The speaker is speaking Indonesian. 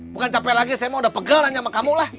bukan capek lagi saya mau udah pegel hanya sama kamu lah